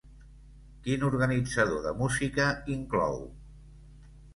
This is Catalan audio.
Quin organitzador de música inclou?